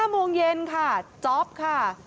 โมงเย็นค่ะจ๊อปค่ะ